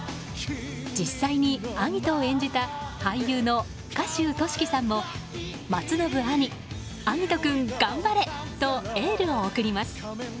実際にアギトを演じた俳優の賀集利樹さんも松延兄・晶音君頑張れとエールを送ります。